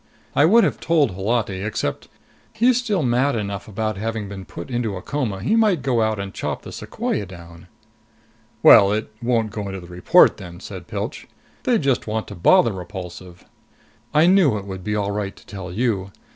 I would have told Holati, except he's still mad enough about having been put into a coma, he might go out and chop the sequoia down." "Well, it won't go into the report then," Pilch said. "They'd just want to bother Repulsive!" "I knew it would be all right to tell you.